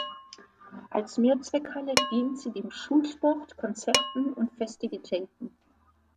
Als Mehrzweckhalle dient sie dem Schulsport, Konzerten und Festivitäten.